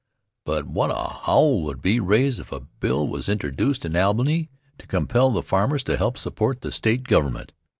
But what a howl would be raised if a bill was introduced in Albany to compel the farmers to help support the State government!